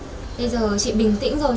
bây giờ chị bình tĩnh rồi